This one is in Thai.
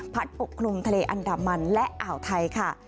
ปกคลุมทะเลอันดามันและอ่าวไทยค่ะ